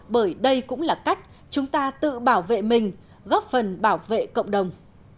bởi đây cũng là cách chúng ta tự bảo vệ mình góp phần bảo vệ cộng đồng